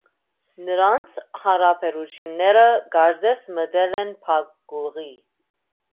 Նրանց հարաբերությունները կարծես մտել են փակուղի։